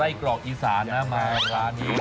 กรอกอีสานนะมาร้านนี้